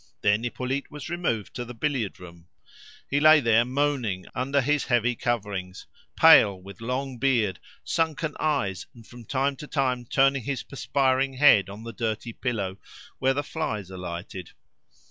Then Hippolyte was removed to the billiard room. He lay there moaning under his heavy coverings, pale with long beard, sunken eyes, and from time to time turning his perspiring head on the dirty pillow, where the flies alighted.